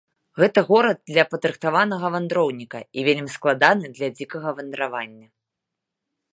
Гэта горад для падрыхтаванага вандроўніка і вельмі складаны для дзікага вандравання.